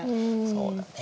そうだね。